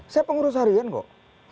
saya pengurus harian kok